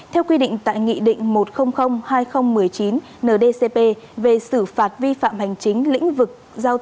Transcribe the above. theo quy định tại nghị định một trăm linh hai nghìn một mươi chín ndcp về sử phạt vi phạm hành chính lĩnh vực